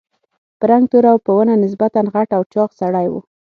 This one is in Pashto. په رنګ تور او په ونه نسبتاً غټ او چاغ سړی و.